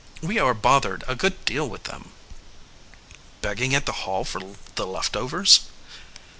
"We are bothered a good deal with them." "Begging at the Hall for the left overs?"